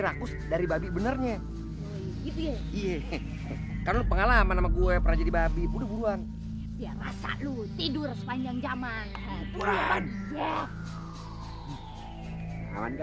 rakus dari babi benernya iya kan pengalaman sama gue pernah jadi babi udah buruan tidur sepanjang